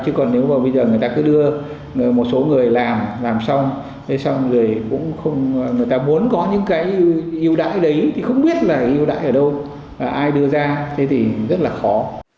chứ còn nếu bây giờ người ta cứ đưa một số người làm làm xong người ta muốn có những cái yêu đại đấy thì không biết là yêu đại ở đâu ai đưa ra thế thì rất là khó